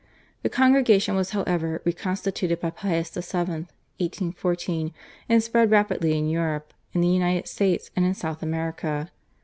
The congregation was, however, re constituted by Pius VII. (1814), and spread rapidly in Europe, in the United States, and in South America.